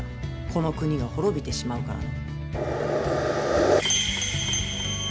この国が滅びてしまうからの。